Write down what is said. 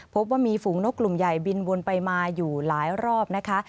พบว่ามีฝูงนกกลุ่มใหญ่บินวนไปมาอยู่หลายรอบนะคะ